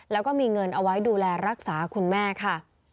แล้วก็มีเงินเอาไว้ดูแลรักษาคุณแม่ค่ะ